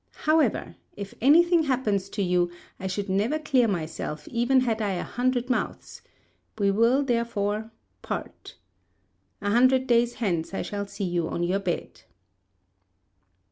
However, if any thing happens to you, I should never clear myself even had I a hundred mouths; we will, therefore, part. A hundred days hence I shall see you on your bed."